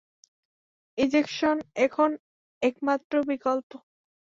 Ejection এখন একমাত্র বিকল্প।